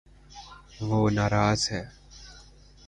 وہ نا راض ہے